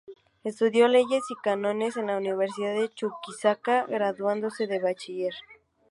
Estudió Leyes y Cánones en la Universidad de Chuquisaca, graduándose de bachiller.